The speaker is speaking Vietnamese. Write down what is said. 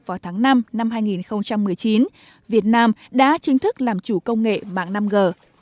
vào tháng năm năm hai nghìn một mươi chín việt nam đã chính thức làm chủ công nghệ mạng năm g